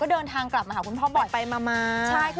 เดินทางกลับมาหาคุณพ่อบ่อยไปมา